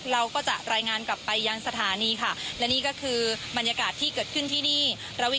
เราก็จะรายงานกลับไปยังสถานีค่ะและนี่ก็คือบรรยากาศที่เกิดขึ้นที่นี่